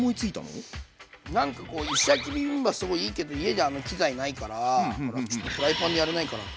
なんかこう石焼きビビンバすごいいいけど家であの器材ないからちょっとフライパンでやれないかなって。